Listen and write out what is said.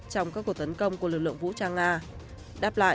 trong các cuộc tấn công của lực lượng vũ trang nga